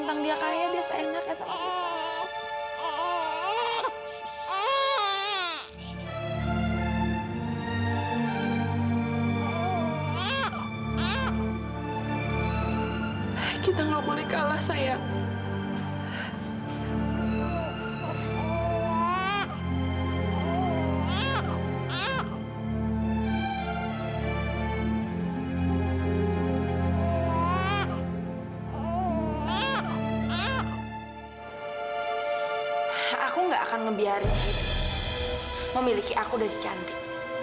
paman kamu harus berhati hati